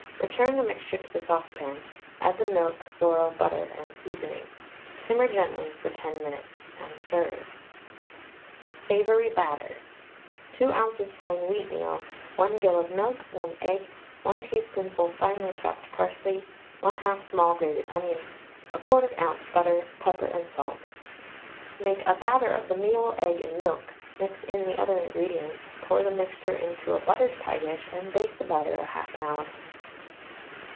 Return the mixture to the saucepan, add the milk, sorrel, butter, and seasoning. Simmer gently for 10 minutes, and serve. SAVOURY BATTER. 2 oz. fine wheatmeal, 1 gill of milk, 1 egg, 1 teaspoonful finely chopped parsley, 1/2 small grated onion, 1/4 oz. butter, pepper and salt. Make a batter of the meal, egg, and milk, mix in the other ingredients, pour the mixture into a buttered pie dish, and bake the batter 1/2 hour.